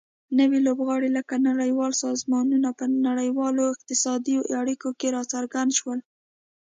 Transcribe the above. نوي لوبغاړي لکه نړیوال سازمانونه په نړیوالو اقتصادي اړیکو کې راڅرګند شول